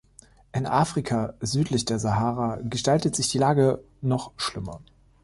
In Afrika südlich der Sahara gestaltet sich die Lage noch schlimmer.